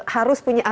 harus punya atm